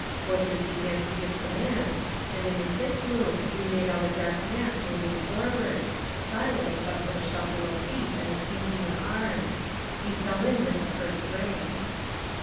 Voices began to give commands, and in the thick gloom we made out a dark mass moving forward, silent but for the shuffle of feet and the clinking of arms. We fell in with the first ranks.